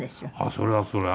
それはそれは。